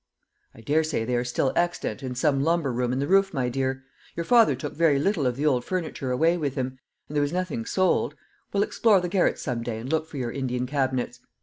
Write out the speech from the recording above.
"I daresay they are still extant in some lumber room in the roof, my dear. Your father took very little of the old furniture away with him, and there was nothing sold. We'll explore the garrets some day, and look for your Indian cabinets.